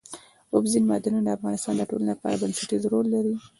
اوبزین معدنونه د افغانستان د ټولنې لپاره بنسټيز رول لري.